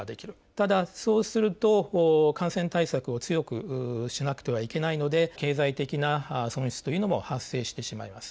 ただそうすると感染対策を強くしなくてはいけないので経済的な損失というのも発生してしまいます。